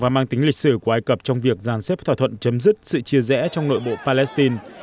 mang tính lịch sử của ai cập trong việc giàn xếp thỏa thuận chấm dứt sự chia rẽ trong nội bộ palestine